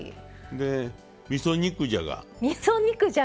みそ肉じゃが。